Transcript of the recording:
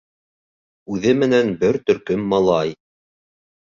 Үҙе менән бер төркөм малай.